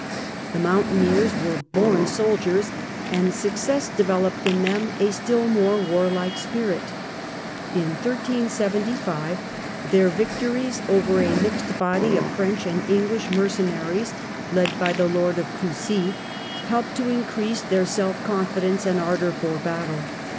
The mountaineers were born soldiers and success de veloped in them a still more war like spirit. In 1375, victories of their victories over a mixed body of French and English *^^^^"^^^^ mercenaries, led by the Lord of Coucy, helped to increase their self confidence and ardour for battle.